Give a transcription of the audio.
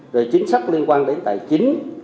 rồi chính sách liên quan đến tài chính